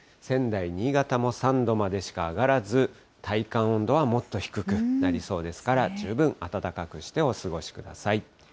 仙台、新潟も３度までしか上がらず、体感温度はもっと低くなりそうですから、十分暖かくしてお過ごしください。